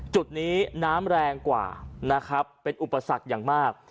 จุดนี้น้ำแรงกว่านะครับเป็นอุปสรรคอย่างมาก